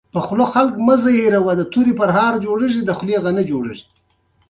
ځمکه د افغانستان د ولایاتو په کچه ډېر توپیر لري.